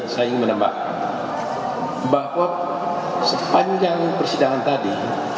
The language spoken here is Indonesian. saya ingin menambahkan bahwa sepanjang persidangan tadi